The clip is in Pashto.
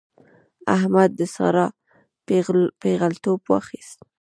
احمد د سارا پېغلتوب واخيست.